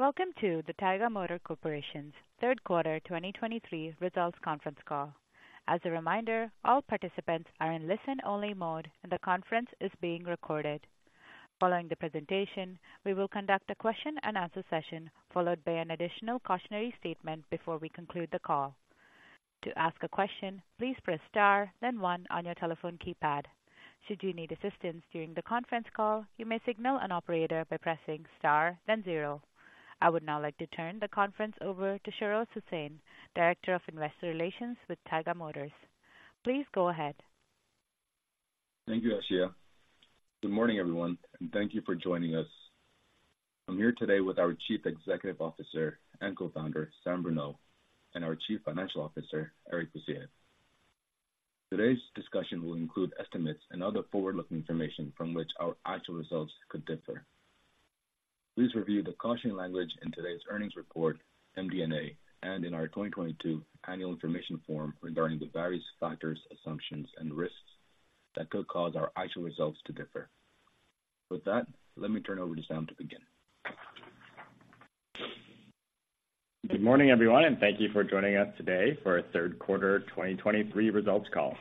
Welcome to the Taiga Motors Corporation's Third Quarter 2023 Results Conference Call. As a reminder, all participants are in listen-only mode, and the conference is being recorded. Following the presentation, we will conduct a question-and-answer session, followed by an additional cautionary statement before we conclude the call. To ask a question, please press star, then one on your telephone keypad. Should you need assistance during the conference call, you may signal an operator by pressing star, then zero. I would now like to turn the conference over to Shahroz Hussain, Director of Investor Relations with Taiga Motors. Please go ahead. Thank you, Ashia. Good morning, everyone, and thank you for joining us. I'm here today with our Chief Executive Officer and Co-Founder, Sam Bruneau, and our Chief Financial Officer, Eric Bussières. Today's discussion will include estimates and other forward-looking information from which our actual results could differ. Please review the caution language in today's earnings report, MD&A, and in our 2022 Annual Information Form regarding the various factors, assumptions, and risks that could cause our actual results to differ. With that, let me turn over to Sam to begin. Good morning, everyone, and thank you for joining us today for our third quarter 2023 results call.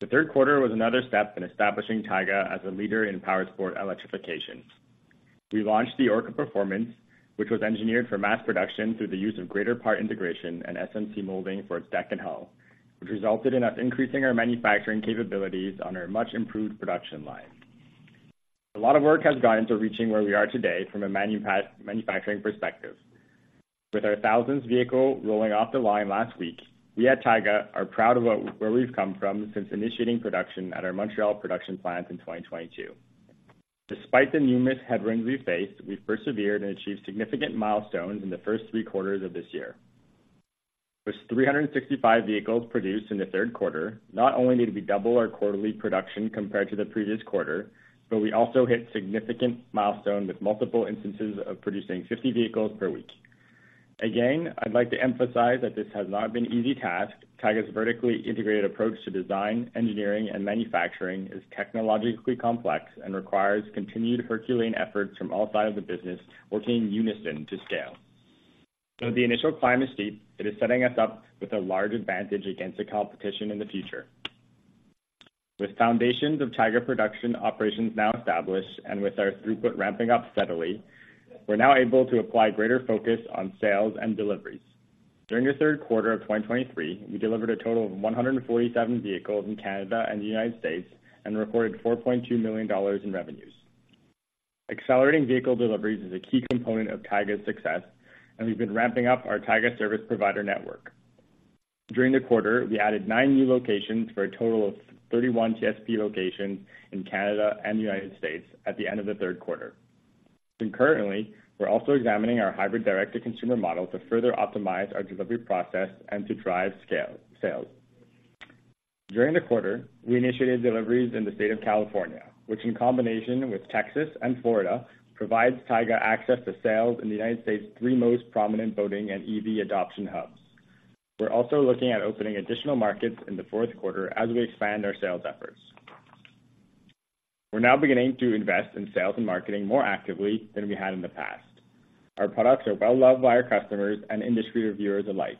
The third quarter was another step in establishing Taiga as a leader in powersport electrification. We launched the Orca Performance, which was engineered for mass production through the use of greater part integration and SMC molding for its deck and hull, which resulted in us increasing our manufacturing capabilities on our much-improved production line. A lot of work has gone into reaching where we are today from a manufacturing perspective. With our thousandth vehicle rolling off the line last week, we at Taiga are proud of where we've come from since initiating production at our Montreal production plant in 2022. Despite the numerous headwinds we faced, we persevered and achieved significant milestones in the first three quarters of this year. With 365 vehicles produced in the third quarter, not only did we double our quarterly production compared to the previous quarter, but we also hit significant milestone with multiple instances of producing 50 vehicles per week. Again, I'd like to emphasize that this has not been an easy task. Taiga's vertically integrated approach to design, engineering, and manufacturing is technologically complex and requires continued herculean efforts from all sides of the business, working in unison to scale. Though the initial climb is steep, it is setting us up with a large advantage against the competition in the future. With foundations of Taiga production operations now established and with our throughput ramping up steadily, we're now able to apply greater focus on sales and deliveries. During the third quarter of 2023, we delivered a total of 147 vehicles in Canada and the United States and recorded 4.2 million dollars in revenues. Accelerating vehicle deliveries is a key component of Taiga's success, and we've been ramping up our Taiga Service Provider network. During the quarter, we added nine new locations for a total of 31 TSP locations in Canada and the United States at the end of the third quarter. Concurrently, we're also examining our hybrid direct-to-consumer model to further optimize our delivery process and to drive scale sales. During the quarter, we initiated deliveries in the state of California, which, in combination with Texas and Florida, provides Taiga access to sales in the United States' three most prominent boating and EV adoption hubs. We're also looking at opening additional markets in the fourth quarter as we expand our sales efforts. We're now beginning to invest in sales and marketing more actively than we had in the past. Our products are well-loved by our customers and industry reviewers alike.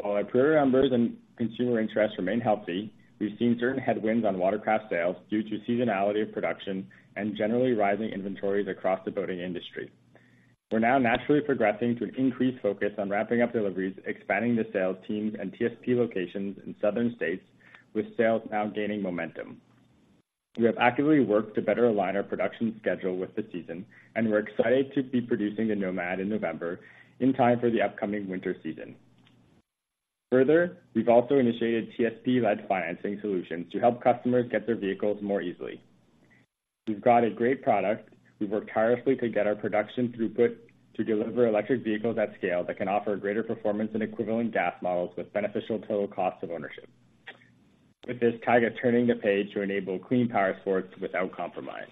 While our pre-order numbers and consumer interest remain healthy, we've seen certain headwinds on watercraft sales due to seasonality of production and generally rising inventories across the boating industry. We're now naturally progressing to an increased focus on ramping up deliveries, expanding the sales teams and TSP locations in southern states, with sales now gaining momentum. We have actively worked to better align our production schedule with the season, and we're excited to be producing the Nomad in November in time for the upcoming winter season. Further, we've also initiated TSP-led financing solutions to help customers get their vehicles more easily. We've got a great product. We've worked tirelessly to get our production throughput to deliver electric vehicles at scale that can offer greater performance and equivalent gas models with beneficial total cost of ownership. With this, Taiga is turning the page to enable clean powersports without compromise.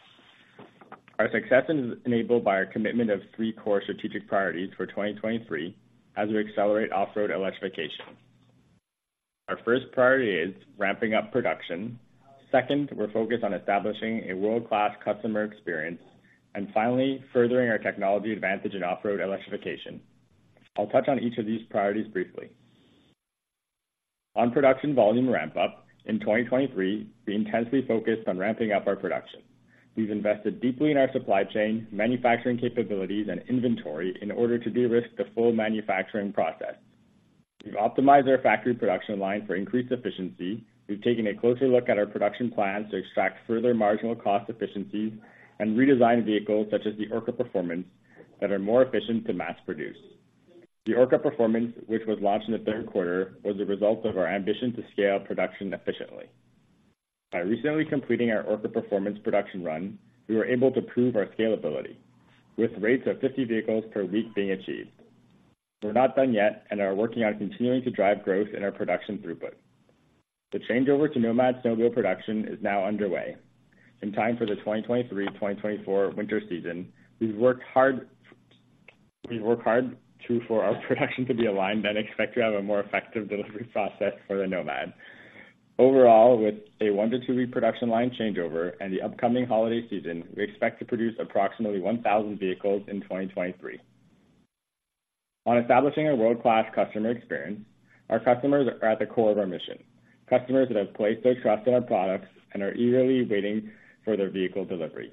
Our success is enabled by our commitment of three core strategic priorities for 2023 as we accelerate off-road electrification. Our first priority is ramping up production. Second, we're focused on establishing a world-class customer experience, and finally, furthering our technology advantage in off-road electrification. I'll touch on each of these priorities briefly. On production volume ramp-up, in 2023, we intensely focused on ramping up our production. We've invested deeply in our supply chain, manufacturing capabilities, and inventory in order to de-risk the full manufacturing process. We've optimized our factory production line for increased efficiency. We've taken a closer look at our production plans to extract further marginal cost efficiencies and redesigned vehicles, such as the Orca Performance, that are more efficient to mass produce. The Orca Performance, which was launched in the third quarter, was a result of our ambition to scale production efficiently. By recently completing our Orca Performance production run, we were able to prove our scalability, with rates of 50 vehicles per week being achieved. We're not done yet and are working on continuing to drive growth in our production throughput. The changeover to Nomad snowmobile production is now underway. In time for the 2023-2024 winter season, we've worked hard... We've worked hard to, for our production to be aligned and expect to have a more effective delivery process for the Nomad. Overall, with a one to two week production line changeover and the upcoming holiday season, we expect to produce approximately 1,000 vehicles in 2023. On establishing a world-class customer experience, our customers are at the core of our mission, customers that have placed their trust in our products and are eagerly waiting for their vehicle delivery.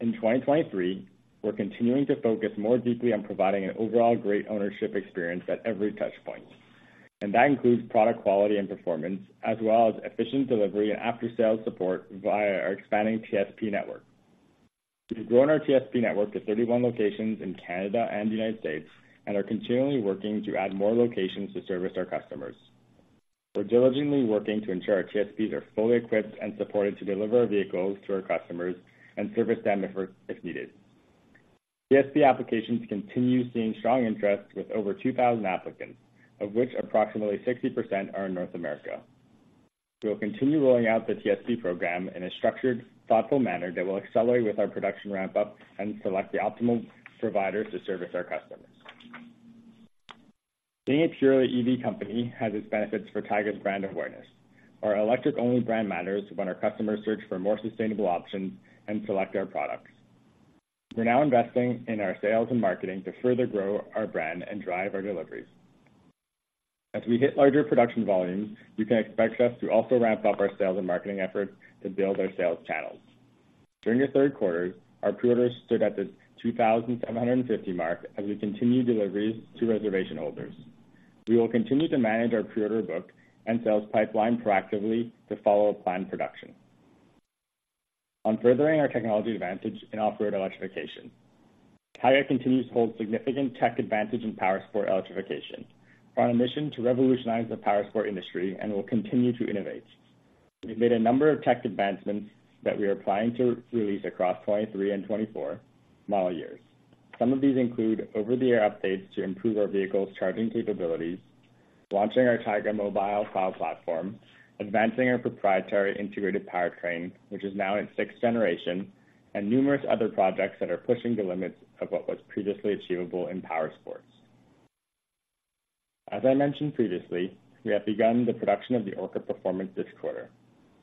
In 2023, we're continuing to focus more deeply on providing an overall great ownership experience at every touchpoint, and that includes product quality and performance, as well as efficient delivery and after-sales support via our expanding TSP network. We've grown our TSP network to 31 locations in Canada and the United States, and are continually working to add more locations to service our customers. We're diligently working to ensure our TSPs are fully equipped and supported to deliver our vehicles to our customers and service them if needed. TSP applications continue seeing strong interest with over 2,000 applicants, of which approximately 60% are in North America. We'll continue rolling out the TSP program in a structured, thoughtful manner that will accelerate with our production ramp-up and select the optimal providers to service our customers. Being a purely EV company has its benefits for Taiga's brand awareness. Our electric-only brand matters when our customers search for more sustainable options and select our products. We're now investing in our sales and marketing to further grow our brand and drive our deliveries. As we hit larger production volumes, you can expect us to also ramp up our sales and marketing efforts to build our sales channels. During the third quarter, our pre-orders stood at the 2,750 mark as we continued deliveries to reservation holders. We will continue to manage our pre-order book and sales pipeline proactively to follow planned production. On furthering our technology advantage in off-road electrification, Taiga continues to hold significant tech advantage in powersport electrification. We're on a mission to revolutionize the powersport industry and will continue to innovate. We've made a number of tech advancements that we are planning to release across 2023 and 2024 model years. Some of these include over-the-air updates to improve our vehicles' charging capabilities, launching our Taiga Mobile cloud platform, advancing our proprietary integrated powertrain, which is now in its sixth generation, and numerous other projects that are pushing the limits of what was previously achievable in powersports. As I mentioned previously, we have begun the production of the Orca Performance this quarter.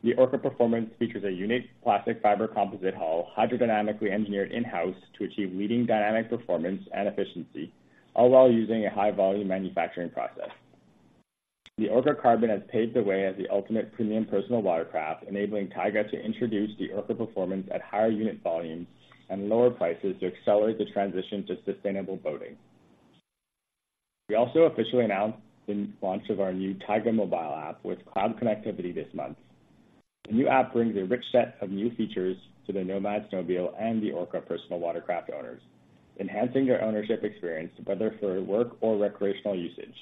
The Orca Performance features a unique plastic fiber composite hull, hydrodynamically engineered in-house to achieve leading dynamic performance and efficiency, all while using a high-volume manufacturing process. The Orca Carbon has paved the way as the ultimate premium personal watercraft, enabling Taiga to introduce the Orca Performance at higher unit volumes and lower prices to accelerate the transition to sustainable boating. We also officially announced the launch of our new Taiga Mobile app with cloud connectivity this month. The new app brings a rich set of new features to the Nomad snowmobile and the Orca personal watercraft owners, enhancing their ownership experience, whether for work or recreational usage.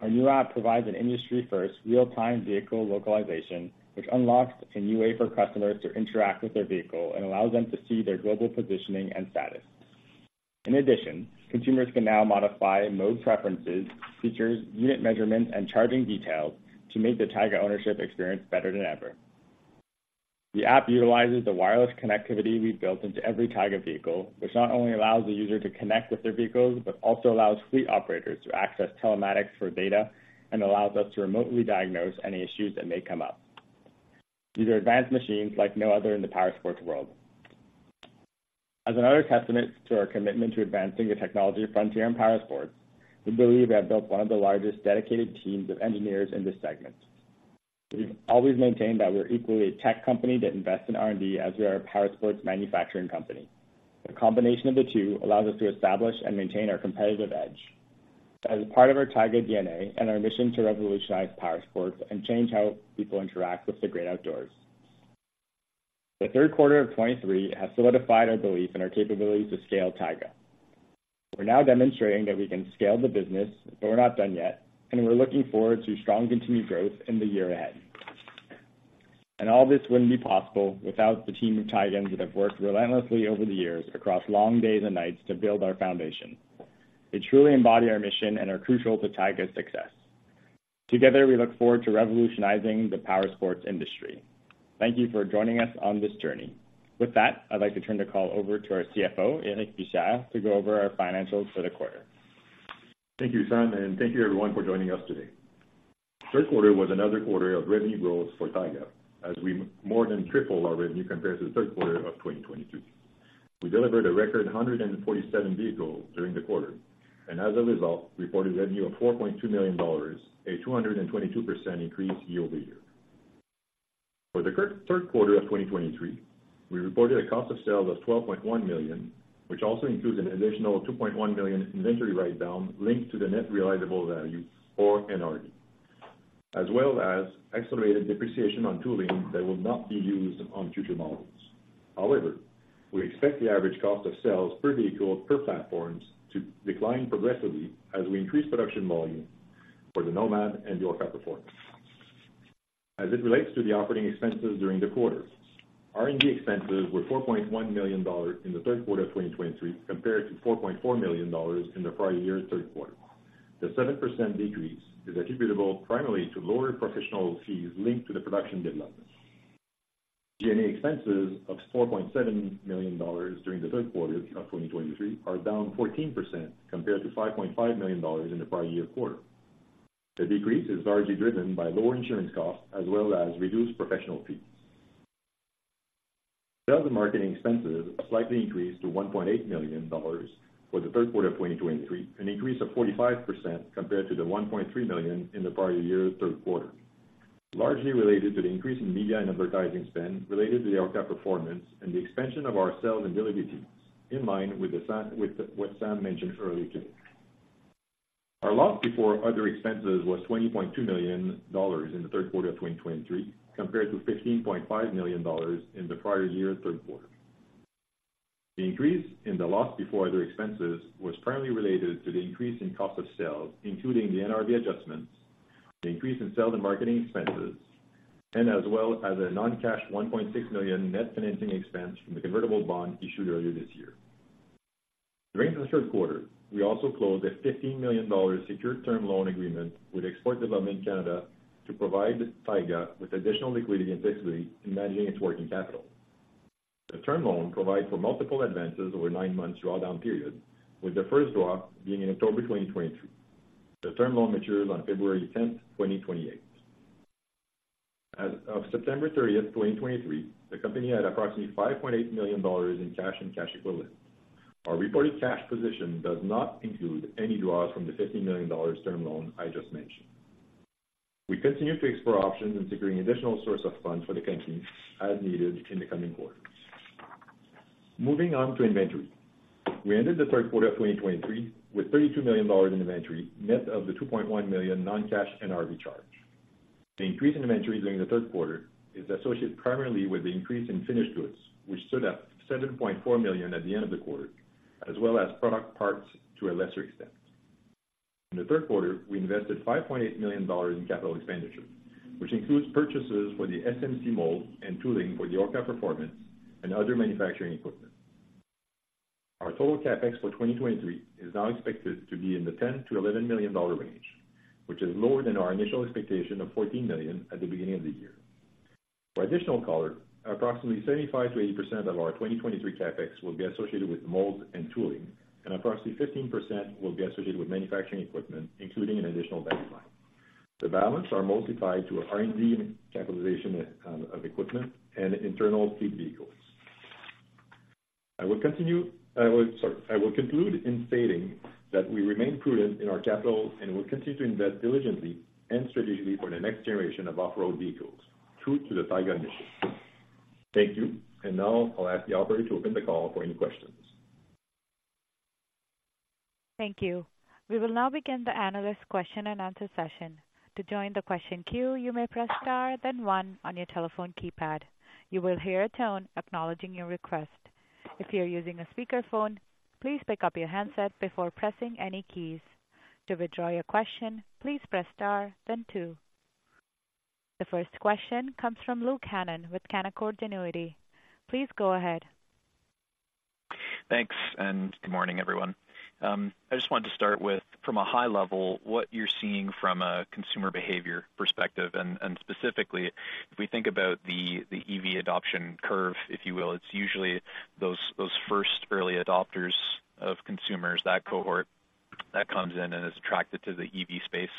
Our new app provides an industry-first real-time vehicle localization, which unlocks a new way for customers to interact with their vehicle and allows them to see their global positioning and status. In addition, consumers can now modify mode preferences, features, unit measurements, and charging details to make the Taiga ownership experience better than ever. The app utilizes the wireless connectivity we've built into every Taiga vehicle, which not only allows the user to connect with their vehicles, but also allows fleet operators to access telematics for data and allows us to remotely diagnose any issues that may come up. These are advanced machines like no other in the powersports world. As another testament to our commitment to advancing the technology frontier in powersports, we believe we have built one of the largest dedicated teams of engineers in this segment. We've always maintained that we're equally a tech company that invests in R&D as we are a powersports manufacturing company. The combination of the two allows us to establish and maintain our competitive edge as a part of our Taiga DNA and our mission to revolutionize powersports and change how people interact with the great outdoors. The third quarter of 2023 has solidified our belief in our capability to scale Taiga. We're now demonstrating that we can scale the business, but we're not done yet, and we're looking forward to strong continued growth in the year ahead. All this wouldn't be possible without the team of Taigans that have worked relentlessly over the years across long days and nights to build our foundation. They truly embody our mission and are crucial to Taiga's success. Together, we look forward to revolutionizing the powersports industry. Thank you for joining us on this journey. With that, I'd like to turn the call over to our CFO, Eric Bussières, to go over our financials for the quarter. Thank you, Sam, and thank you everyone for joining us today. Third quarter was another quarter of revenue growth for Taiga, as we more than tripled our revenue compared to the third quarter of 2022. We delivered a record 147 vehicles during the quarter, and as a result, reported revenue of 4.2 million dollars, a 222% increase year-over-year. For the third quarter of 2023, we reported a cost of sales of 12.1 million, which also includes an additional 2.1 million inventory write-down linked to the net realizable value, or NRV, as well as accelerated depreciation on tooling that will not be used on future models. However, we expect the average cost of sales per vehicle, per platforms to decline progressively as we increase production volume for the Nomad and the Orca Performance. As it relates to the operating expenses during the quarter, R&D expenses were 4.1 million dollars in the third quarter of 2023, compared to 4.4 million dollars in the prior year's third quarter. The 7% decrease is attributable primarily to lower professional fees linked to the production development.... G&A expenses of 4.7 million dollars during the third quarter of 2023 are down 14% compared to 5.5 million dollars in the prior year quarter. The decrease is largely driven by lower insurance costs as well as reduced professional fees. Sales and marketing expenses slightly increased to 1.8 million dollars for the third quarter of 2023, an increase of 45% compared to the 1.3 million in the prior year third quarter, largely related to the increase in media and advertising spend related to the Orca Performance and the expansion of our sales and delivery teams, in line with what Sam mentioned earlier today. Our loss before other expenses was 20.2 million dollars in the third quarter of 2023, compared to 15.5 million dollars in the prior year third quarter. The increase in the loss before other expenses was primarily related to the increase in cost of sales, including the NRV adjustments, the increase in sales and marketing expenses, and as well as a non-cash 1.6 million net financing expense from the convertible bond issued earlier this year. During the third quarter, we also closed a 15 million dollars secured term loan agreement with Export Development Canada to provide Taiga with additional liquidity and flexibility in managing its working capital. The term loan provides for multiple advances over a nine-month drawdown period, with the first draw being in October 2023. The term loan matures on February 10, 2028. As of September 30, 2023, the company had approximately 5.8 million dollars in cash and cash equivalents. Our reported cash position does not include any draws from the 15 million dollars term loan I just mentioned. We continue to explore options in securing additional source of funds for the company as needed in the coming quarters. Moving on to inventory. We ended the third quarter of 2023 with 32 million dollars in inventory, net of the 2.1 million non-cash NRV charge. The increase in inventory during the third quarter is associated primarily with the increase in finished goods, which stood at 7.4 million at the end of the quarter, as well as product parts to a lesser extent. In the third quarter, we invested 5.8 million dollars in capital expenditure, which includes purchases for the SMC mold and tooling for the Orca Performance and other manufacturing equipment. Our total CapEx for 2023 is now expected to be in the 10 million-11 million dollar range, which is lower than our initial expectation of 14 million at the beginning of the year. For additional color, approximately 75%-80% of our 2023 CapEx will be associated with molds and tooling, and approximately 15% will be associated with manufacturing equipment, including an additional bench line. The balance are multiplied to R&D capitalization, of equipment and internal fleet vehicles. I will conclude in stating that we remain prudent in our capital and will continue to invest diligently and strategically for the next generation of off-road vehicles, true to the Taiga mission. Thank you. Now I'll ask the operator to open the call for any questions. Thank you. We will now begin the analyst question and answer session. To join the question queue, you may press star, then one on your telephone keypad. You will hear a tone acknowledging your request. If you are using a speakerphone, please pick up your handset before pressing any keys. To withdraw your question, please press star then two. The first question comes from Luke Hannan with Canaccord Genuity. Please go ahead. Thanks, and good morning, everyone. I just wanted to start with, from a high level, what you're seeing from a consumer behavior perspective, and specifically, if we think about the EV adoption curve, if you will, it's usually those first early adopters of consumers, that cohort that comes in and is attracted to the EV space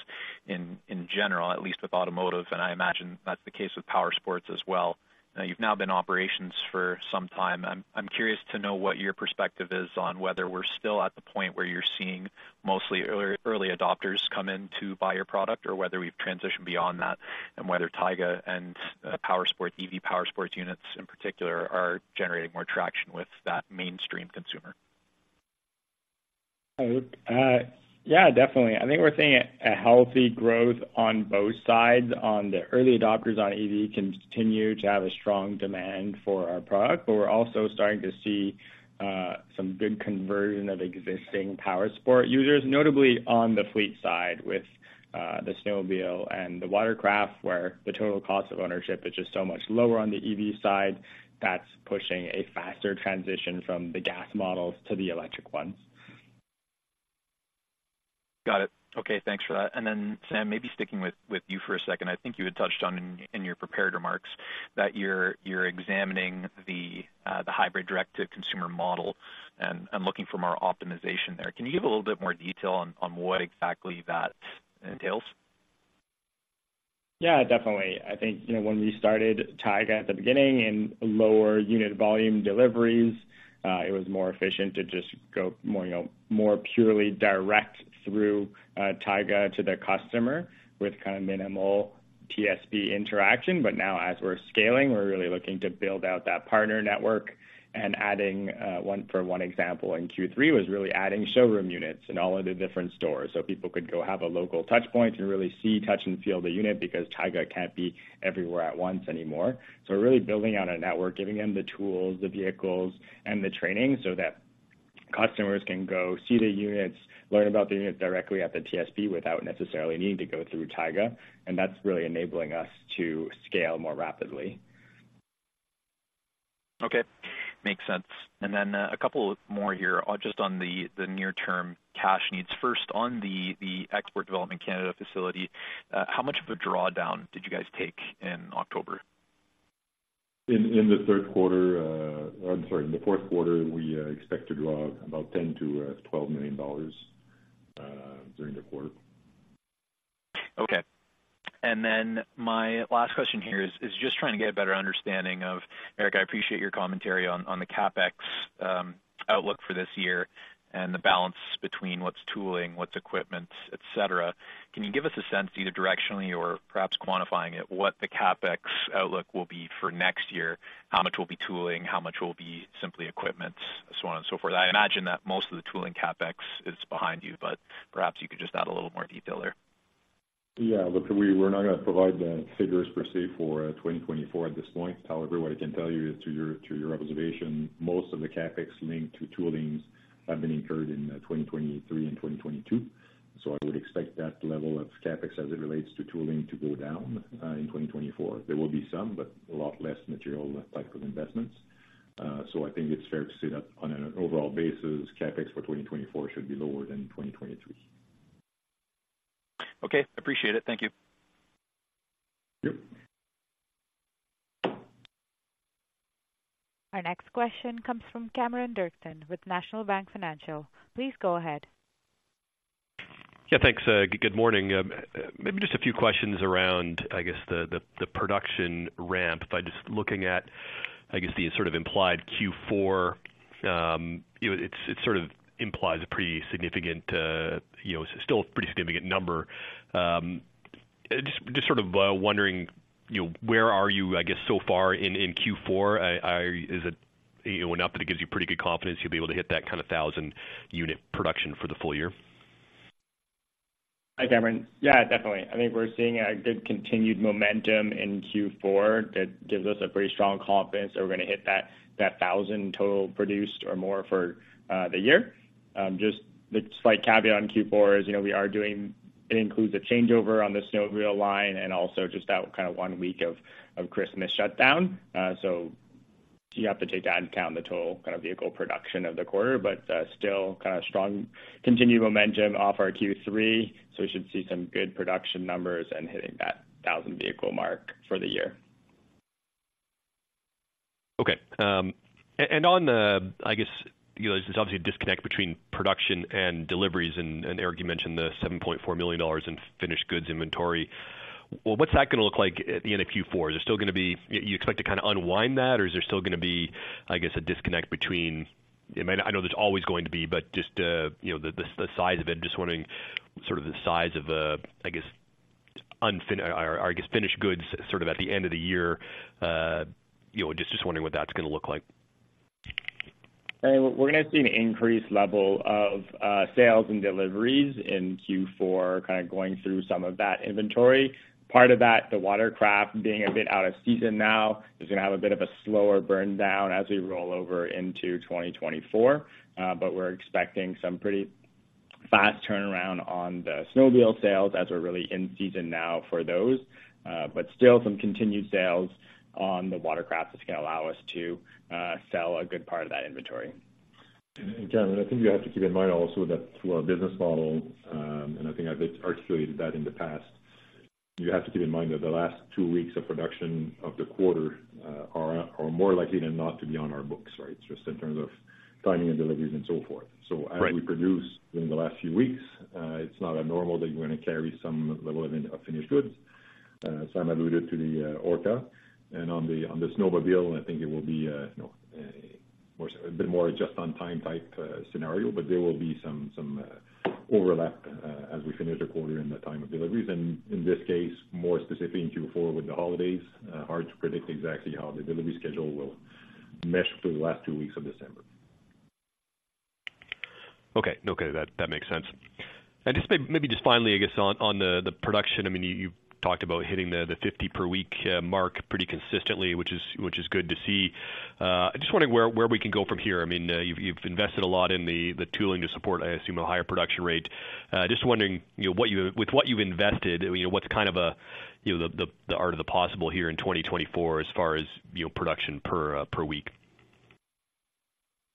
in general, at least with automotive, and I imagine that's the case with powersports as well. Now, you've been in operations for some time. I'm curious to know what your perspective is on whether we're still at the point where you're seeing mostly early adopters come in to buy your product, or whether we've transitioned beyond that, and whether Taiga and powersports EV powersports units in particular are generating more traction with that mainstream consumer. Hi, Luke. Yeah, definitely. I think we're seeing a healthy growth on both sides. On the early adopters on EV continue to have a strong demand for our product, but we're also starting to see some good conversion of existing powersport users, notably on the fleet side with the snowmobile and the watercraft, where the total cost of ownership is just so much lower on the EV side. That's pushing a faster transition from the gas models to the electric ones. Got it. Okay, thanks for that. And then, Sam, maybe sticking with, with you for a second. I think you had touched on in, in your prepared remarks that you're, you're examining the, the hybrid direct-to-consumer model and, and looking for more optimization there. Can you give a little bit more detail on, on what exactly that entails? Yeah, definitely. I think, you know, when we started Taiga at the beginning in lower unit volume deliveries, it was more efficient to just go more, you know, more purely direct through Taiga to the customer with kind of minimal TSP interaction. But now as we're scaling, we're really looking to build out that partner network and adding one. For one example, in Q3, was really adding showroom units in all of the different stores, so people could go have a local touch point and really see, touch, and feel the unit because Taiga can't be everywhere at once anymore. So we're really building out a network, giving them the tools, the vehicles, and the training so that customers can go see the units, learn about the units directly at the TSP without necessarily needing to go through Taiga, and that's really enabling us to scale more rapidly. Okay, makes sense. And then, a couple more here, just on the near-term cash needs. First, on the Export Development Canada facility, how much of a drawdown did you guys take in October? I'm sorry, in the fourth quarter, we expect to draw about 10 million-12 million dollars during the quarter. Okay. Then my last question here is just trying to get a better understanding of, Eric, I appreciate your commentary on the CapEx outlook for this year and the balance between what's tooling, what's equipment, et cetera. Can you give us a sense, either directionally or perhaps quantifying it, what the CapEx outlook will be for next year? How much will be tooling, how much will be simply equipment, so on and so forth? I imagine that most of the tooling CapEx is behind you, but perhaps you could just add a little more detail there. Yeah, look, we're not gonna provide the figures per se for 2024 at this point. However, what I can tell you, to your, to your observation, most of the CapEx linked to toolings have been incurred in 2023 and 2022. So I would expect that level of CapEx as it relates to tooling to go down in 2024. There will be some, but a lot less material type of investments. So I think it's fair to say that on an overall basis, CapEx for 2024 should be lower than in 2023. Okay, appreciate it. Thank you. Yep. Our next question comes from Cameron Doerksen with National Bank Financial. Please go ahead. Yeah, thanks. Good morning. Maybe just a few questions around, I guess, the production ramp. By just looking at, I guess, the sort of implied Q4, you know, it sort of implies a pretty significant, you know, still a pretty significant number. Just sort of wondering, you know, where are you, I guess, so far in Q4? Is it, you know, enough that it gives you pretty good confidence you'll be able to hit that kind of 1,000-unit production for the full year? Hi, Cameron. Yeah, definitely. I think we're seeing a good continued momentum in Q4 that gives us a pretty strong confidence that we're gonna hit that 1,000 total produced or more for the year. Just the slight caveat on Q4 is, you know, we are doing, it includes a changeover on the snowmobile line and also just that kind of one week of Christmas shutdown. So you have to take that into account, the total kind of vehicle production of the quarter, but still kind of strong continued momentum off our Q3, so we should see some good production numbers and hitting that 1,000 vehicle mark for the year. Okay. And, and on the, I guess, you know, there's obviously a disconnect between production and deliveries, and, and Eric, you mentioned the 7.4 million dollars in finished goods inventory. Well, what's that gonna look like at the end of Q4? Is there still gonna be... You expect to kinda unwind that, or is there still gonna be, I guess, a disconnect between, I mean, I know there's always going to be, but just, you know, the, the size of it, just wondering, sort of the size of, I guess, finished goods sort of at the end of the year. You know, just, just wondering what that's gonna look like. We're gonna see an increased level of sales and deliveries in Q4, kind of going through some of that inventory. Part of that, the watercraft being a bit out of season now, is gonna have a bit of a slower burn down as we roll over into 2024. But we're expecting some pretty fast turnaround on the snowmobile sales, as we're really in season now for those. But still some continued sales on the watercraft, which can allow us to sell a good part of that inventory. Cameron, I think you have to keep in mind also that through our business model, and I think I've articulated that in the past, you have to keep in mind that the last two weeks of production of the quarter are more likely than not to be on our books, right? Just in terms of timing and deliveries and so forth. Right. So as we produce during the last few weeks, it's not abnormal that you're gonna carry some level of finished goods. So I'm alluded to the Orca, and on the snowmobile, I think it will be, you know, a bit more just on time type scenario, but there will be some overlap as we finish the quarter in the time of deliveries. And in this case, more specifically in Q4 with the holidays, hard to predict exactly how the delivery schedule will mesh through the last two weeks of December. Okay. Okay, that, that makes sense. And just maybe just finally, I guess, on the production, I mean, you talked about hitting the 50 per week mark pretty consistently, which is good to see. I'm just wondering where we can go from here. I mean, you've invested a lot in the tooling to support, I assume, a higher production rate. Just wondering, you know, what you—with what you've invested, you know, what's kind of the art of the possible here in 2024 as far as, you know, production per week?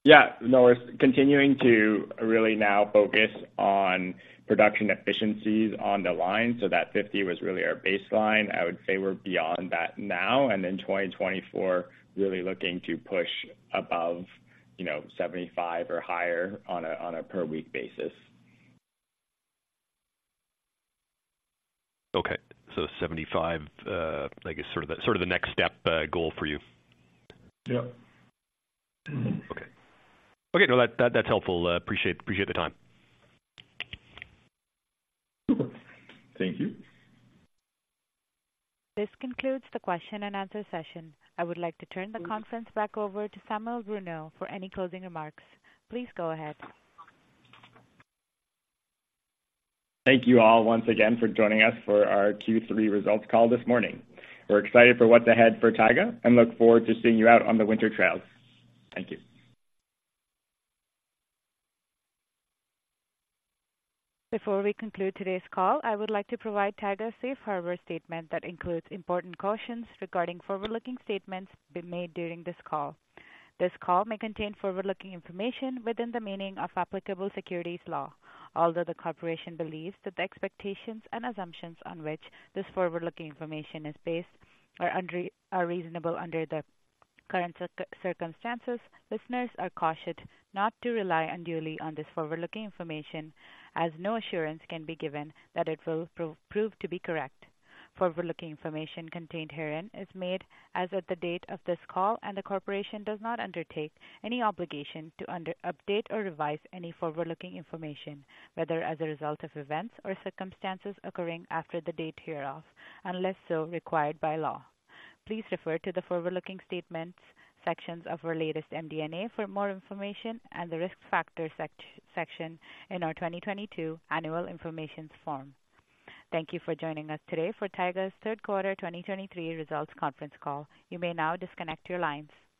Yeah. No, we're continuing to really now focus on production efficiencies on the line, so that 50 was really our baseline. I would say we're beyond that now, and in 2024, really looking to push above, you know, 75 or higher on a per week basis. Okay. So 75, I guess sort of the next step, goal for you? Yep. Okay. Okay, no, that's helpful. Appreciate the time. Super. Thank you. This concludes the question and answer session. I would like to turn the conference back over to Samuel Bruneau for any closing remarks. Please go ahead. Thank you all once again for joining us for our Q3 results call this morning. We're excited for what's ahead for Taiga and look forward to seeing you out on the winter trails. Thank you. Before we conclude today's call, I would like to provide Taiga's safe harbor statement that includes important cautions regarding forward-looking statements being made during this call. This call may contain forward-looking information within the meaning of applicable securities law. Although the corporation believes that the expectations and assumptions on which this forward-looking information is based are reasonable under the current circumstances, listeners are cautioned not to rely unduly on this forward-looking information, as no assurance can be given that it will prove to be correct. Forward-looking information contained herein is made as of the date of this call, and the corporation does not undertake any obligation to update or revise any forward-looking information, whether as a result of events or circumstances occurring after the date hereof, unless so required by law. Please refer to the forward-looking statements sections of our latest MD&A for more information and the Risk Factors section in our 2022 Annual Information Form. Thank you for joining us today for Taiga's third quarter 2023 results conference call. You may now disconnect your lines.